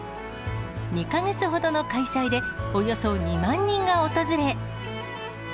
２か月ほどの開催で、およそ２万人が訪れ。